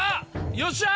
よっしゃ！